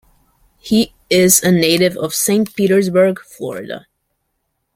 He is a native of Saint Petersburg, Florida.